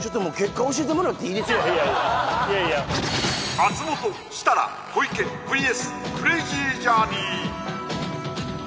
松本設楽小池ＶＳクレイジージャーニー